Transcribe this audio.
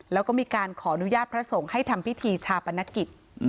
แล้วก็มีการขออนุญาตพระสงฆ์ให้ทำพิธีชาปนกิจ